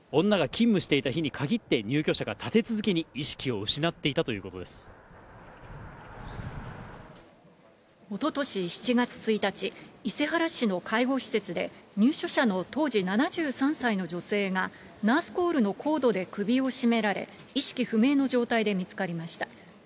女が勤務していた日にかぎって入居者が立て続けに意識を失っおととし７月１日、伊勢原市の介護施設で、入所者の当時７３歳の女性が、ナースコールのコードで首を絞められ、意識不明の状態で見つかりました。